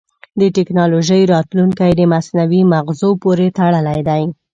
د ټکنالوجۍ راتلونکی د مصنوعي مغزو پورې تړلی دی.